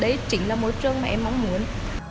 đấy chính là mối trường mà em mong muốn